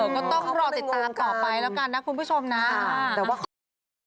ก็ต้องรอติดตามต่อไปแล้วกันนะคุณผู้ชมนะค่ะขอบคุณครับขอบคุณครับ